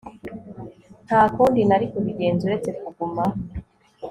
Nta kundi nari kubigenza uretse kuguma